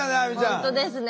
本当ですね